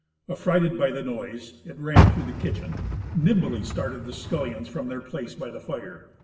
Affrighted by the noise, it ran through the kitchen. Nimbly started the scullions from their place by the fire.